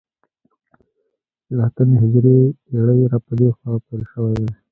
له اتمې هجرې پېړۍ را په دې خوا پیل شوی دی